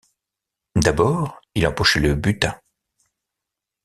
D’abord, il empochait le butin.